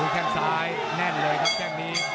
แค่งซ้ายแน่นเลยครับแข้งนี้